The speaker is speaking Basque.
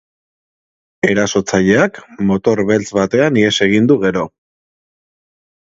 Erasotzaileak motor beltz batean ihes egin du gero.